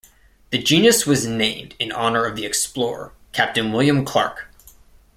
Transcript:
The genus was named in honour of the explorer Captain William Clark.